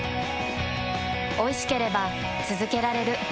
おいしければつづけられる。